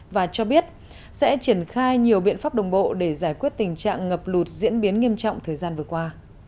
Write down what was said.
và cho biết sẽ triển khai nhiều biện pháp đồng bộ để giải quyết tình trạng ngập lụt diễn biến nghiêm trọng thời gian vừa qua